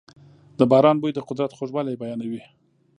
د باران بوی د قدرت خوږوالی بیانوي.